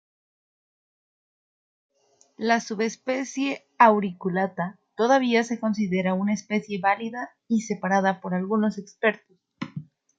La subespecie "auriculata" todavía se considera una especie válida y separada por algunos expertos.